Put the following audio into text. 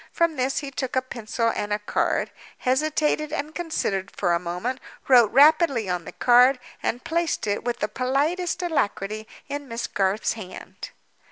From this he took a pencil and a card—hesitated and considered for a moment—wrote rapidly on the card—and placed it, with the politest alacrity, in Miss Garth's hand.